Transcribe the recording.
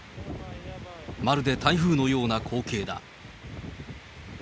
まるで台風のような光景だ。